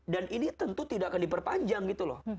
dan ini tentu tidak akan diperpanjang gitu loh